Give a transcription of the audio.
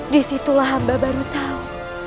disitulah hamba baru tahu